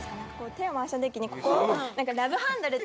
手を回した時にここ。